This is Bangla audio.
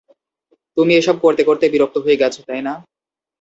তুমি এসব করতে করতে বিরক্ত হয়ে গেছো, তাই না?